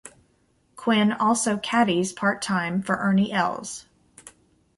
Quinn also caddies part-time for Ernie Els.